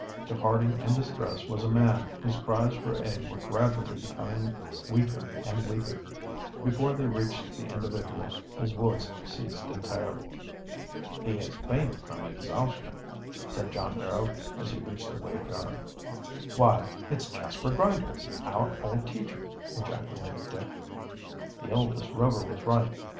The party in distress was a man, whose cries for aid were gradually becoming weaker and weaker. Before they reached the individual his voice ceased entirely. "He has fainted from exhaustion," said John Barrow, as he reached the wayfarer. "Why, it's Jasper Grinder, our old teacher," ejaculated Dick. The eldest Rover was right.